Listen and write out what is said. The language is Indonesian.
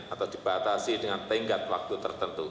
atau dibatasi dengan tenggat waktu tertentu